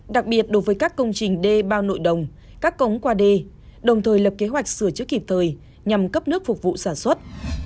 đặc biệt đối với các công trình đê bao nội đồng các cống qua đê đồng thời lập kế hoạch sửa chữa kịp thời nhằm cấp nước phục vụ sản xuất